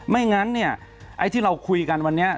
ไม่งั้นเนี่ยไอ้ที่เราคุยกันวันนี้